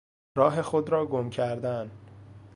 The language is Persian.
راه خود را گم کردن